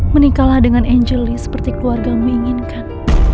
menikah dengan angel li seperti keluargamu inginkan